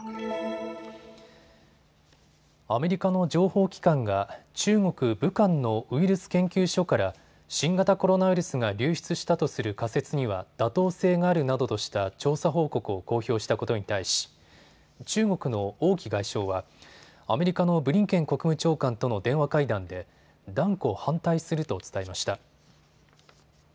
アメリカの情報機関が中国・武漢のウイルス研究所から新型コロナウイルスが流出したとする仮説には妥当性があるなどとした調査報告を公表したことに対し中国の王毅外相はアメリカのブリンケン国務長官との電話会談で断固反対すると伝えました。